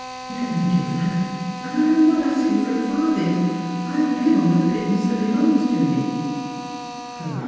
Let me do that, and I will not ask you for a farthing. I will live on the pittance that belongs to me."